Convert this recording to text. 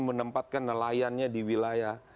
menempatkan nelayan nya di wilayah